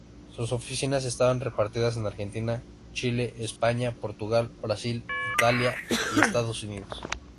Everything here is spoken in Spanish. Sus oficinas estaban repartidas en Argentina, Chile, España, Portugal, Brasil, Italia y Estados Unidos.